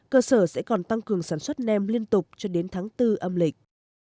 cơ sở sẽ còn tăng cường sản xuất nem liên tục cho đến tháng bốn âm lịch